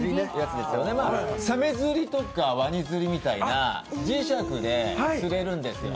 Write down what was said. サメ釣りとかワニ釣りみたいな磁石で釣れるんですよ。